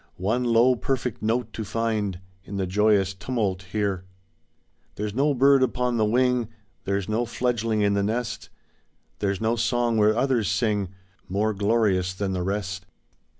One low perfect note to find In the joyous timiult here. There's no bird upon the wing, There's no fledgeling in the nest, There's no song where others sing More glorious than the rest.